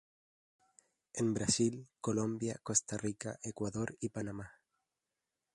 En Brasil, Colombia, Costa Rica, Ecuador y Panamá.